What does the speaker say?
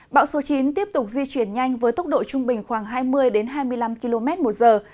bão số chín tiếp tục di chuyển nhanh với tốc độ trung bình khoảng hai mươi hai mươi năm km một giờ